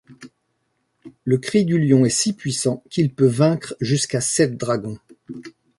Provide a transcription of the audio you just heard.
Le cri du lion est si puissant qu'il peut vaincre jusqu'à sept dragons.